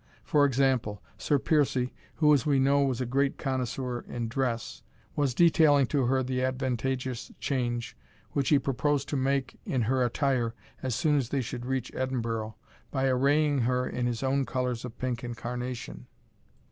For example, Sir Piercie, who, as we know, was a great connoisseur in dress, was detailing to her the advantageous change which he proposed to make in her attire as soon as they should reach Edinburgh, by arraying her in his own colours of pink and carnation.